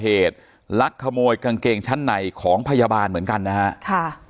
ก่อเหตุลักษณ์ขโมยกางเกงชั้นในของพยาบาลเหมือนกันนะฮะ